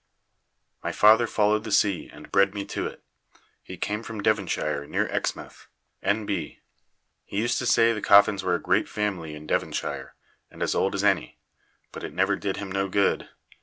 My father followed the sea, and bred me to it. He came from Devonshire, near Exmouth. N.B. He used to say the Coffins were a great family in Devonshire, and as old as any; but it never did him no good.